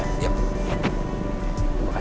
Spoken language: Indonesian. terima kasih sekali lagi